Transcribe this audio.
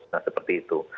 nah seperti itu